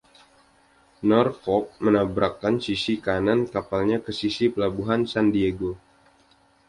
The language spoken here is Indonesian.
"Norfolk" menabrakkan sisi kanan kapalnya ke sisi pelabuhan "San Diego".